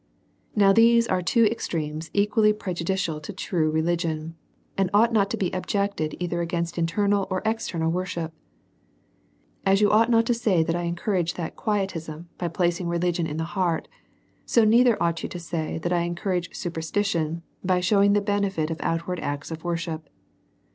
Now these are two extremes equally prejudicial to true religion ; and ought not to be objected either against internal or external worship. As you ought not to say, that I encourage that quietism, by placing religion in the heart ; so neither ought you to say, that I encourage superstition, by shewing the benefit of outward acts of worship.